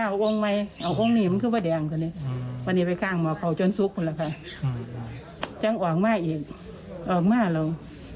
วันนี้ไปข้างมาเขาจนซุกมันแหละค่ะจังออกมาอีกออกมาแล้ว